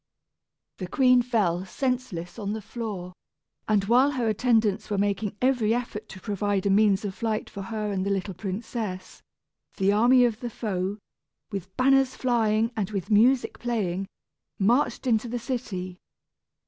The queen fell senseless on the floor; and while her attendants were making every effort to provide a means of flight for her and the little princess, the army of the foe, with banners flying and with music playing, marched into the city.